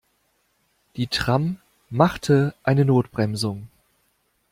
Die Tram machte eine Notbremsung.